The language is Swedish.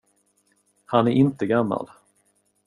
Han är inte gammal.